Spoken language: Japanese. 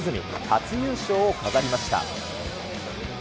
初優勝を飾りました。